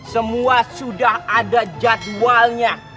semua sudah ada jadwalnya